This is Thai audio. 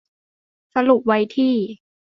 สรุปไว้ที่